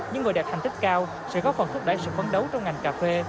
những người đẹp hành tích cao sẽ có phần thúc đẩy sự phấn đấu trong ngành cà phê